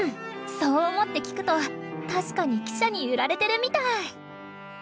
そう思って聴くと確かに汽車に揺られてるみたい！